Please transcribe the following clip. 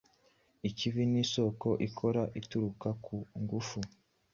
Ikibi nisoko ikora ituruka ku Ingufu.